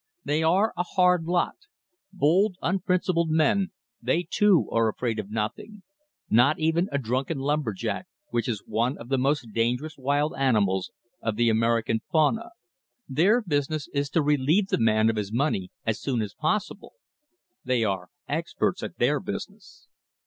They are a hard lot. Bold, unprincipled men, they too are afraid of nothing; not even a drunken lumber jack, which is one of the dangerous wild animals of the American fauna. Their business is to relieve the man of his money as soon as possible. They are experts at their business.